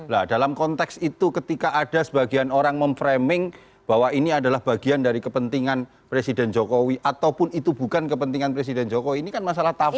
nah dalam konteks itu ketika ada sebagian orang memframing bahwa ini adalah bagian dari kepentingan presiden jokowi ataupun itu bukan kepentingan presiden jokowi ini kan masalah tafsir